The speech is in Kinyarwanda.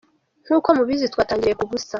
nk’uko mubizi, twatangiriye ku busa.